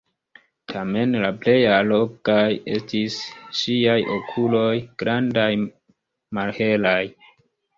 Tamen la plej allogaj estis ŝiaj okuloj, grandaj, malhelaj.